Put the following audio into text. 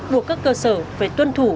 buộc các cơ sở phải tuân thủ